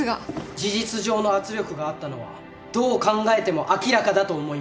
事実上の圧力があったのはどう考えても明らかだと思います。